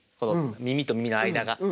耳と耳の間が。